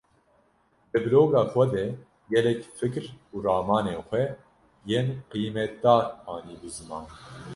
Di bloga xwe de gelek fikr û ramanên xwe yên qîmetdar anîbû ziman.